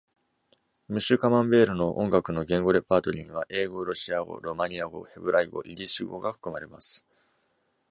ムッシュカマンベールの音楽の言語レパートリーには、英語、ロシア語、ロマニア語、ヘブライ語、イディッシュ語が含まれます。